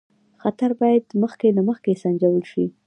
خطر باید مخکې له مخکې سنجول شي.